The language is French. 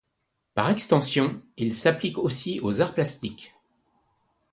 Par extension, il s'applique aussi aux arts plastiques.